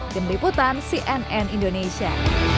gemeriputan cnn indonesia